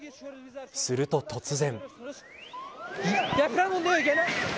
すると、突然。